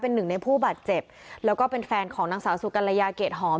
หนึ่งในผู้บาดเจ็บแล้วก็เป็นแฟนของนางสาวสุกัลยาเกรดหอม